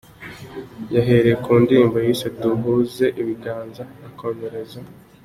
Yahereye ku ndirimbo yise ‘Duhuze ibiganza’, akomereza.